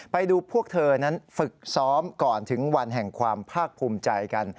ไปดูพวกเธอนั้นฝึกซ้อมก่อนถึงวันแห่งความภาคภูมิใจกัน